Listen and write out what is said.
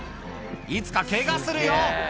いつかケガするよ！